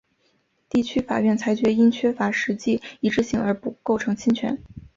地区法院裁决因缺乏实际一致性而不构成侵权。